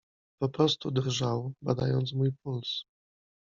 Po prostu drżał, badając mój puls.